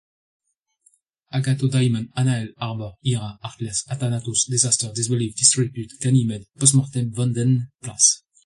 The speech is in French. Agathodaimon, Anael, Arbor Ira, Artless, Atanatos, Desaster, Disbelief, Disrepute, Ganymed, Postmortem, Vanden Plas.